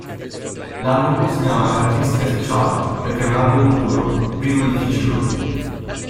L'album segnala una caratteristica speciale perché è un album puro, privo di features.